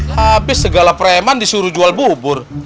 tapi segala preman disuruh jual bubur